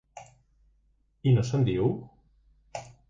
I no se'n diu?